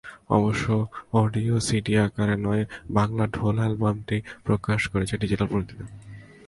অবশ্য audio CD আকারে নয়, বাংলা ঢোল অ্যালবামটি প্রকাশ করেছে ডিজিটাল প্রযুক্তিতে।